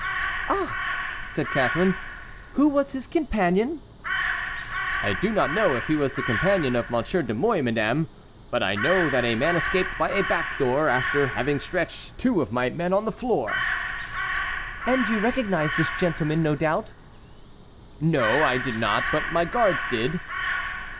"Ah!" said Catharine, "who was his companion?" "I do not know if he was the companion of Monsieur de Mouy, madame, but I know that a man escaped by a back door after having stretched two of my men on the floor." "And you recognized this gentleman, no doubt?" "No, I did not, but my guards did."